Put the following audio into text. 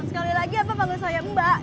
sekali lagi apa panggil saya mbak